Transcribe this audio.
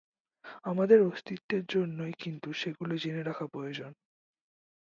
আমাদের অস্তিত্বের জন্যই কিন্তু সেগুলো জেনে রাখা প্রয়োজন।